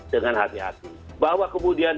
dengan hati hati bahwa kemudian